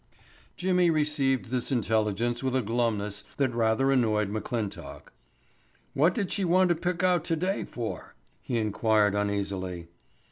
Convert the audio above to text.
Jimmy received this intelligence with a glumness that rather annoyed McClintock. "What did she want to pick out today for?" he inquired uneasily.